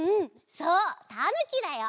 そうたぬきだよ！